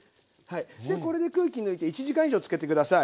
でこれで空気抜いて１時間以上漬けて下さい。